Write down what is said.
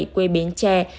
quê bến tre